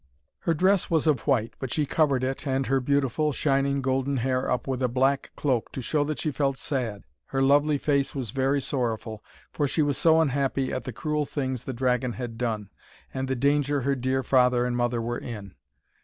Her dress was of white, but she covered it and her beautiful, shining, golden hair up with a black cloak to show that she felt sad. Her lovely face was very sorrowful, for she was so unhappy at the cruel things the dragon had done, and the danger her dear father and mother were in.